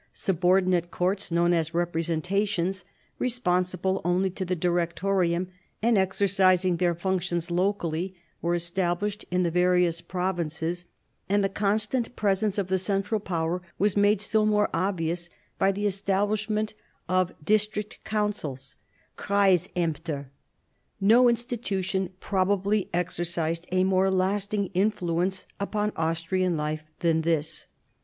Subordinate courts, known ^ as Representations, responsible only to the Directorium, and exercising their functions locally, were established in the various provinces ; and the constant presence of the central power was made still more obvious by the establishment of District Councils (Kreis amter). No institution probably exerted a more lasting influence upon Austrian life than this.